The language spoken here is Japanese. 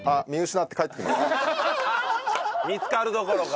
見つかるどころか。